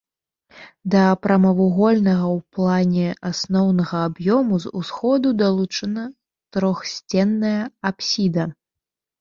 Да прамавугольнага ў плане асноўнага аб'ёму з усходу далучана трохсценная апсіда.